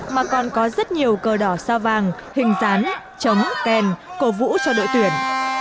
mà còn có rất nhiều cờ đỏ sao vàng hình rán chấm kèn cổ vũ cho đội tuyển